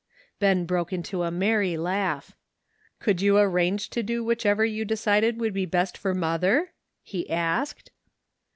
Ben broke into a merry laugh. " Could you arrange to do whichever you de cided would be the best for mother?" he asked.